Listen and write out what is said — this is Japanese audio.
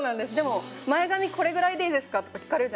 「前髪これぐらいでいいですか」とか聞かれるじゃないですか。